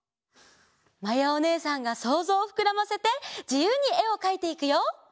まやおねえさんがそうぞうをふくらませてじゆうにえをかいていくよ！